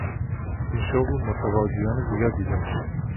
این شغل متقاضیان زیادی داشت.